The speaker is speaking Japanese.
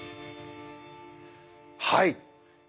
はい。